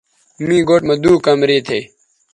می گوٹھ مہ دُو کمرے تھے